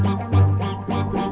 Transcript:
masuk ke dalam